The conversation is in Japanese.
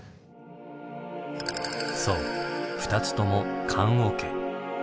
そう２つとも棺おけ。